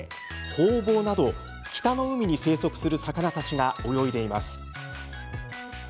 ホウボウなど北の海に生息する魚たちが泳いでいます。